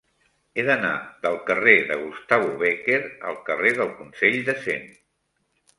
He d'anar del carrer de Gustavo Bécquer al carrer del Consell de Cent.